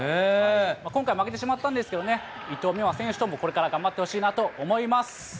今回、負けてしまったんですけどね、伊藤美誠選手ともこれから頑張ってほしいなと思います。